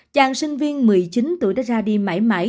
chàng sinh viên một mươi chín tuổi đã ra đi mãi mãi